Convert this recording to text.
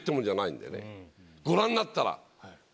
ご覧になったら。